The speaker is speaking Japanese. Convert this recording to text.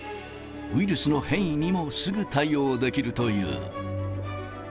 ウイルスの変異にもすぐ対応できるという。